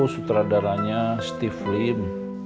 sutradaranya steve lim